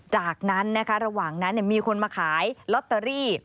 จากนั้นนะคะระหว่างนั้นมีคนมาขายลอตเตอรี่